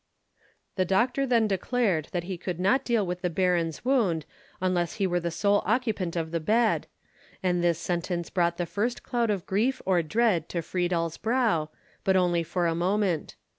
The doctor then declared that he could not deal with the Baron's wound unless he were the sole occupant of the bed, and this sentence brought the first cloud of grief or dread to Friedel's brow, but only for a moment.